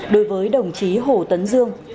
đối với đồng chí hồ tấn dương